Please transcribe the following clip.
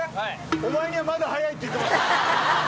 お前にはまだ早いって言ってます。